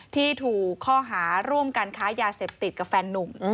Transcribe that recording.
ที่ถูกข้อหาร่วมการค้ายาเสพติดกับแฟนนุ่ม